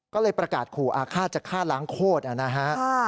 ก็เลยประกาศขู่อาฆาตจะฆ่าล้างโคตรนะฮะ